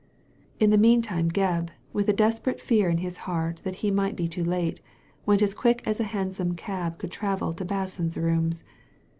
In the mean time Gebb, with a desperate fear in his heart that he might be too late, went as quick as a hansom could travel to Basson's rooms.